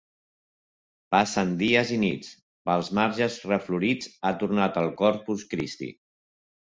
Passen dies i nits... Pels marges reflorits ha tornat el Corpus Christi.